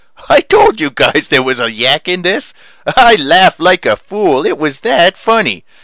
I told you guys there was a yak in this. I laughed like a fool it was that funny.